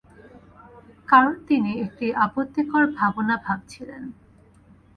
কারণ, তিনি একটি আপত্তিকর ভাবনা ভাবছিলেন।